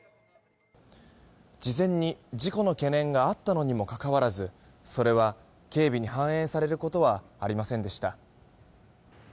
事前に事故の懸念があったのにもかかわらずそれは警備に反映されることはありませんでした。